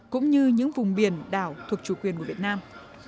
cũng như những vùng biển đảo thuộc chủ quyền của việt nam